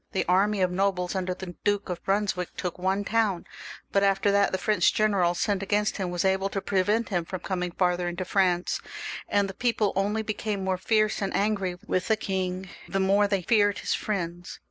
The army of nobles under the Duke of Brunswick took one town ; but, after that, the French general sent against him was able to prevent him from coming farther into France, and the people only became more fierce and angry with the king the more they feared his friends.